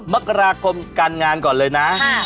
มกราคมการงานก่อนเลยนะ